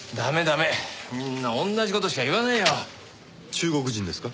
中国人ですか？